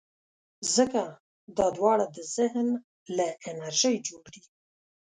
ځکه دا دواړه د ذهن له انرژۍ جوړ دي.